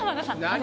何？